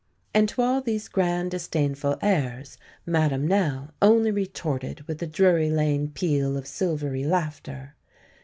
And to all these grand, disdainful airs Madame Nell only retorted with a Drury Lane peal of silvery laughter.